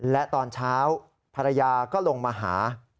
และตอนเช้าภรรยาก็ลงมาหา